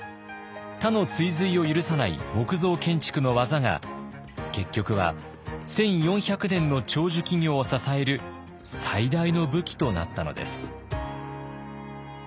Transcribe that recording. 他の追随を許さない木造建築の技が結局は１，４００年の長寿企業を支える最大の武器となったのです。